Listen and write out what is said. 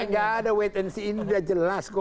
nggak ada wait and see ini udah jelas kok